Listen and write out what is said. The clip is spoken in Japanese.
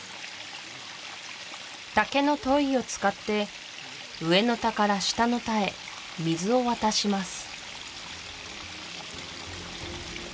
竹の樋を使って上の田から下の田へ水を渡します